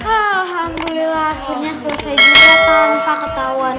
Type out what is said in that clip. alhamdulillah akhirnya selesai juga tanpa ketahuan